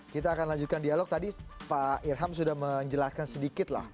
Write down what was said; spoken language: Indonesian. kita akan lanjutkan dialog tadi pak irham sudah menjelaskan sedikit lah